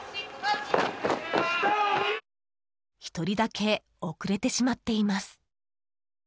１人だけ遅れてしまっています。